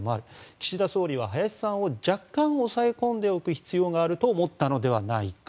岸田総理は林さんを若干、抑え込んでおく必要があると思ったのではないか。